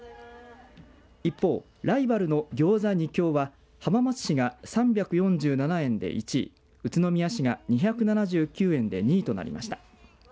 一方、ライバルのギョーザ２強は浜松市が３４７円で１位宇都宮市が２７９円で２位となりました。